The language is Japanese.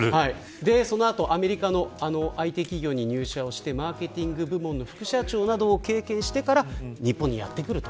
アメリカのＩＴ企業に入社してマーケティング部門の副社長などを経験してから日本にやって来る。